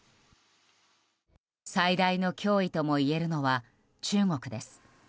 最大の脅威ともいえるのは中国です。